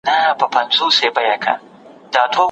زه به بختور یم